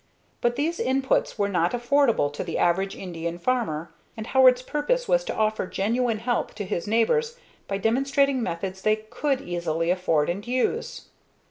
But these inputs were not affordable to the average Indian farmer and Howard's purpose was to offer genuine help to his neighbors by demonstrating methods they could easily afford and use.